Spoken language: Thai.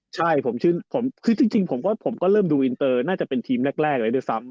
ใช่คือจริงผมก็เริ่มดูอินเตอร์น่าจะเป็นทีมแรกเลยด้วยซ้ำ